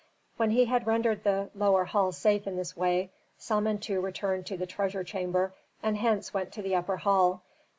When he had rendered the lower hall safe in this way Samentu returned to the treasure chamber, and hence went to the upper hall.